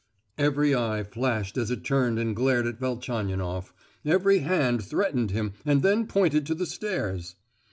Every eye flashed as it turned and glared at Velchaninoff; every hand threatened him and then pointed to the stairs.